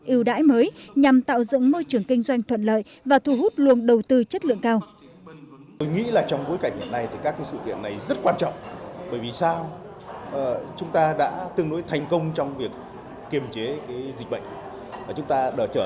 ưu đãi mới nhằm tạo dựng môi trường kinh doanh thuận lợi và thu hút luôn đầu tư chất lượng cao